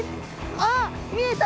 あっ見えた。